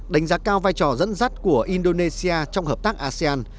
đánh giá cao vai trò dẫn dắt của indonesia trong hợp tác asean